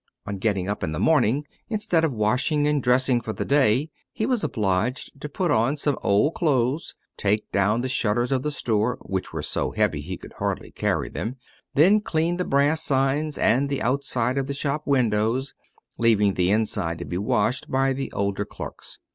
On getting up in the morning, instead of washing and dressing for the day, he was obliged to put on some old clothes, take down the shutters of the store, which were so heavy he could hardly carry them, then clean the brass signs and the outside of the shop windows, leaving the inside to be washed by the older clerks.